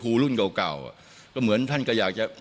รุ่นเก่าก็เหมือนท่านก็อยากจะ